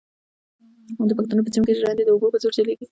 د پښتنو په سیمو کې ژرندې د اوبو په زور چلېږي.